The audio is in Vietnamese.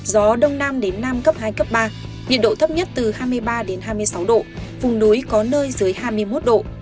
gió đông nam đến nam cấp hai cấp ba nhiệt độ thấp nhất từ hai mươi ba đến hai mươi sáu độ vùng núi có nơi dưới hai mươi một độ